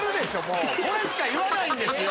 もうこれしか言わないんですよ。